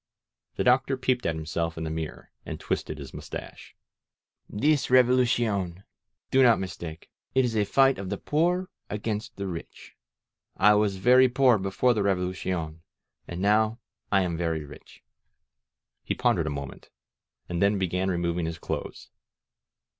The Doctor peeped at himself in the mirror, and twisted his mustache. This Revolu cion. Do not mistake. It is a fight of the poor against the rich. I was vei^ poor before the Revolucion and now I am very rich." He pondered a moment, and then began removing his clothes.